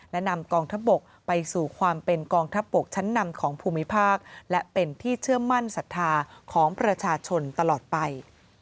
และนำกองทัพบกไปสู่ความเป็นกองทัพบกชั้นนำของภูมิภาคและเป็นที่เชื่อมั่นศรัทธาของประชาชนตลอดไป